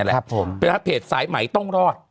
เป็นเพจสายไหมต้องรอด